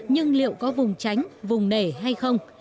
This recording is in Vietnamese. nhưng liệu có vùng tránh vùng nể hay không